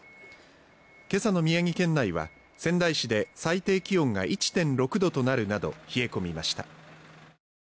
今朝の宮城県内は仙台市で最低気温が１．６度となるなど冷え込みました。